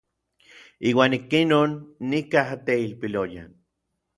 Iuan ik inon nikaj teilpiloyan.